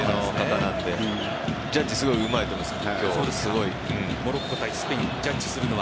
ジャッジすごい上手いと思います今日。